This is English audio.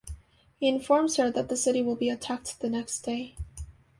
He informs her that the city will be attacked the next day.